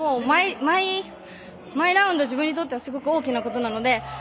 毎ラウンド自分にとってはすごく大きなことなので。